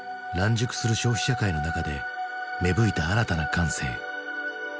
熟する消費社会の中で芽吹いた新たな感性。